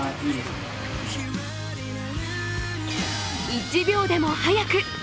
１秒でも速く。